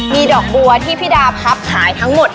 มีดอกบัวที่พี่ดาพับขายทั้งหมด